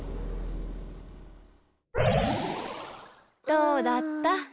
どうだった？